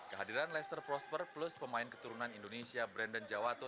kehadiran leicester prosper plus pemain keturunan indonesia brandon jawato